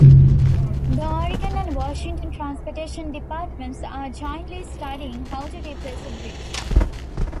The Oregon and Washington transportation departments are jointly studying how to replace the bridge.